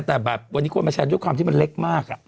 แต่แบบวันนี้คนมาแชร์ด้วยความที่มันเล็กมาก